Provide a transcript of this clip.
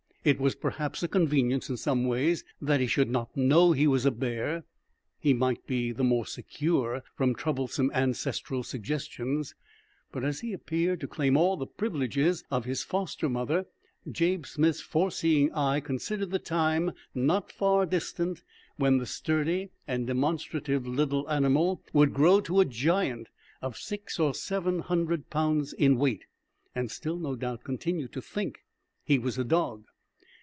It was perhaps a convenience, in some ways, that he should not know he was a bear he might be the more secure from troublesome ancestral suggestions. But as he appeared to claim all the privileges of his foster mother, Jabe Smith's foreseeing eye considered the time, not far distant, when the sturdy and demonstrative little animal would grow to a giant of six or seven hundred pounds in weight, and still, no doubt, continue to think he was a dog.